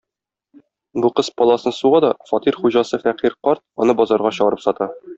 Бу кыз паласны суга да, фатир хуҗасы фәкыйрь карт аны базарга чыгарып сата.